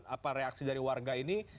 apa reaksi dari warga ini